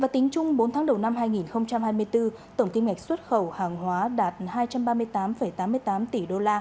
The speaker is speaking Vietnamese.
tính chung bốn tháng đầu năm hai nghìn hai mươi bốn tổng kim ngạch xuất khẩu hàng hóa đạt hai trăm ba mươi tám tám mươi tám tỷ usd